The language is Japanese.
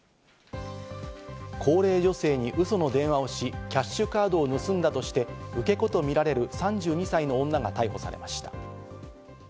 高齢女性にウソの電話をしキャッシュカードを盗んだとして、受け子とみられる３２歳の女が逮捕されました。